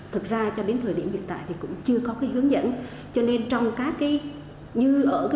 thực ra cho đến thời điểm hiện tại thì cũng chưa có cái hướng dẫn